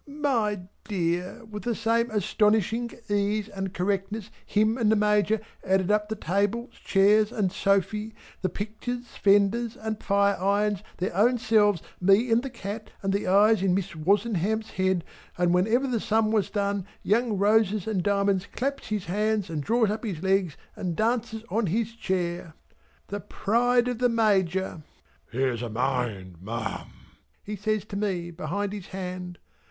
My dear with the same astonishing ease and correctness him and the Major added up the tables chairs and sofy, the picters fenders and fire irons their own selves me and the cat and the eyes in Miss Wozenham's head, and whenever the sum was done Young Roses and Diamonds claps his hands and draws up his legs and dances on his chair. The pride of the Major! ("Here's a mind Ma'am!" he says to me behind his hand.)